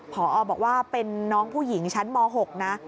พอบอกว่าเป็นน้องผู้หญิงชั้นม๖นะ